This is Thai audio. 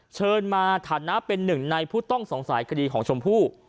เชิญมาฐานะเป็นหนึ่งในผู้ต้องสงสัยคดีของชมพู่